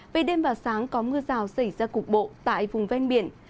về đêm và sáng có mưa rào xảy ra cục bộ tại vùng ven biển